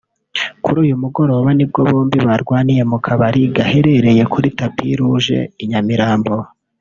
Kuri uyu mugoroba nibwo aba bombi barwaniye mu kabari gaherereye kuri Tapis Rouge i Nyamirambo